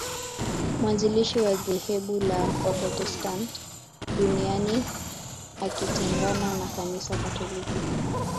Mwanzilishi wa dhehebu la Waprotestant duniani akitengana na Kanisa katoliki